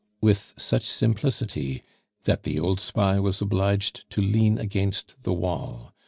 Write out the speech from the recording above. with such simplicity, that the old spy was obliged to lean against the wall.